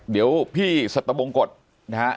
เดี๋ยวพี่สัตวบงกฎนะฮะ